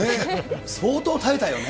相当耐えたよね。